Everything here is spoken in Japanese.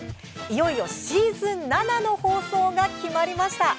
いよいよシーズン７の放送が決まりました！